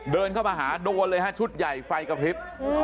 เดินเข้ามาหาโดนเลยฮะชุดใหญ่ไฟกระพริบ